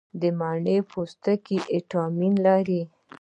د مڼې پوستکي ویټامین لري.